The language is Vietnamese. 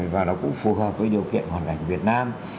và nó cũng phù hợp với điều kiện hoạt đảnh việt nam